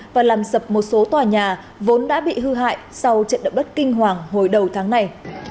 và làm sập một số tòa nhà vốn đã bị hư hại sau trận động đất kinh hoàng hồi đầu tháng này